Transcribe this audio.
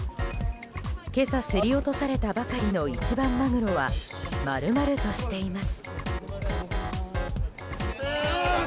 今朝競り落とされたばかりの一番マグロは丸々としています。